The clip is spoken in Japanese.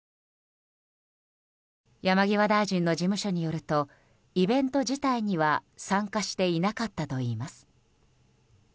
山際大臣の事務所によるとイベント自体には参加していなかったといいます。